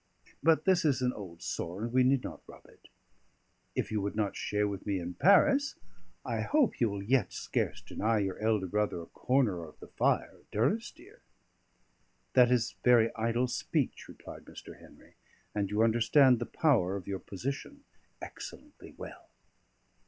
But this is an old sore, and we need not rub it. If you would not share with me in Paris, I hope you will yet scarce deny your elder brother a corner of the fire at Durrisdeer?" "That is very idle speech," replied Mr. Henry. "And you understand the power of your position excellently well."